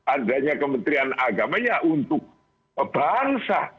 adanya kementerian agama ya untuk bangsa